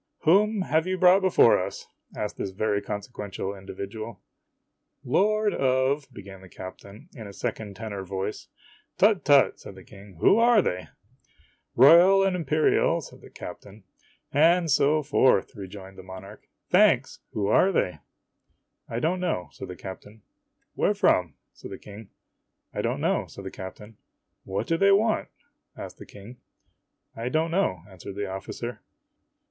"Whom have you brought before us?' asked this very conse quential individual. " Lord of ' began the captain in a second tenor voice. " Tut, tut !" said the King. " Who are they ?"" Royal and Imperial ' said the captain. "And so forth," rejoined the monarch; "thanks! Who are they ?"" I don't know," said the captain. " Where from ?" said the King. " I don't know," said the captain. "What do they want?" asked the King. " I don't know," answered the officer.